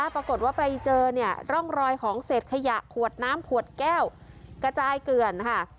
ปรากฏว่าไปเจอเนี่ยร่องรอยของเศษขยะขวดน้ำขวดแก้วกระจายเกลื่อนค่ะ